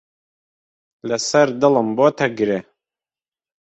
لەسەر دڵم بۆتە گرێ.